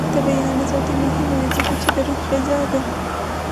د بیان ازادي مهمه ده ځکه چې د روح غذا ده.